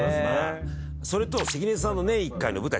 それと関根さんの年１回の舞台。